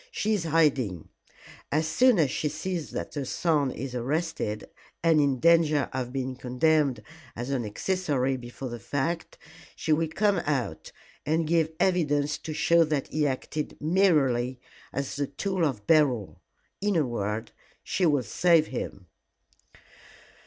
She is hiding. As soon as she sees that her son is arrested, and in danger of being condemned as an accessory before the fact, she will come out and give evidence to show that he acted merely as the tool of Beryl. In a word, she will save him."